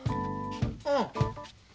うん。